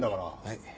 はい。